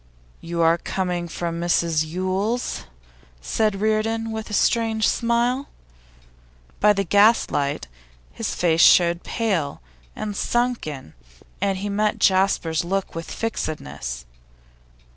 'You are coming from Mrs Yule's?' said Reardon, with a strange smile. By the gaslight his face showed pale and sunken, and he met Jasper's look with fixedness.